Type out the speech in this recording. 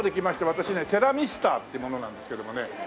私ねテラミスターっていう者なんですけどもね。